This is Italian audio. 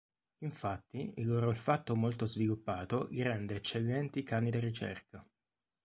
Infatti, il loro olfatto molto sviluppato li rende eccellenti cani da ricerca.